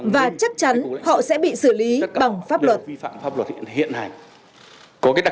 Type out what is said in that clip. và chắc chắn họ sẽ bị xử lý bằng pháp luật